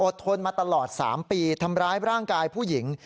ทนมาตลอด๓ปีทำร้ายร่างกายผู้หญิง